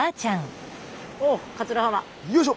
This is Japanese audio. よいっしょ！